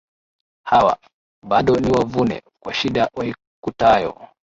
Hawa, bado ni wavune, kwa shida waikutayo